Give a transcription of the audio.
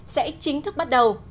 sẽ chính thức bắt đầu